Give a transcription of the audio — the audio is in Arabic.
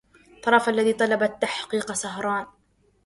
طرف الذي طلب التحقيق سهران